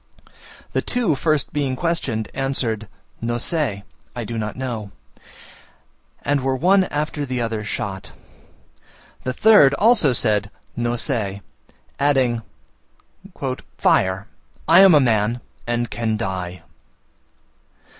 The two first being questioned, answered, "No se" (I do not know), and were one after the other shot. The third also said "No se;" adding, "Fire, I am a man, and can die!"